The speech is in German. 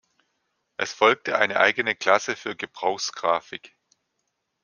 Es folgte eine eigene Klasse für Gebrauchsgraphik.